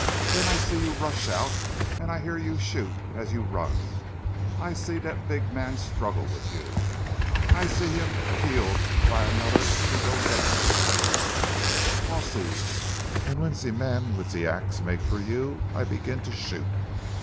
Den I see you rush out an' I hear you shoot as you run. I see dat big man struggle with you, I see him keeled by anoder who go down, aussi, and when zee man with zee ax mak' for you I begin to shoot.